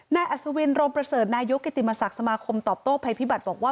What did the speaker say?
อัศวินโรมประเสริฐนายกกิติมศักดิ์สมาคมตอบโต้ภัยพิบัตรบอกว่า